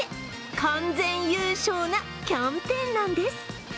完全優勝なキャンペーンなんです。